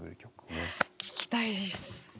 聴きたいです。